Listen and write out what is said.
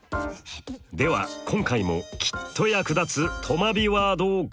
では今回もきっと役立つとまビワードをご紹介。